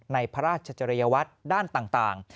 ในพระราชจริยวัตรด้านต่าง